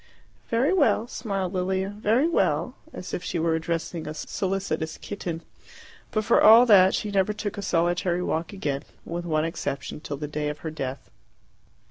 "Very well," smiled Lilia, "very well" as if she were addressing a solicitous kitten. But for all that she never took a solitary walk again, with one exception, till the day of her death.